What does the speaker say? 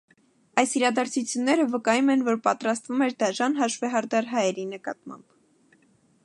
Այս իրադարձությունները վկայում են, որ պատրաստվում էր դաժան հաշվեհարդար հայերի նկատմամբ։